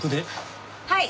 はい！